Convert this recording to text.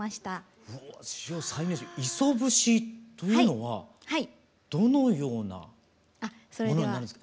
「磯節」というのはどのようなものになるんですか？